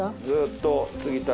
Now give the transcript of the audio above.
ずっと。